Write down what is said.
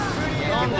何で？